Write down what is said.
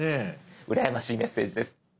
うらやましいメッセージです。